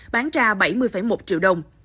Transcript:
bán ra bảy mươi một triệu đồng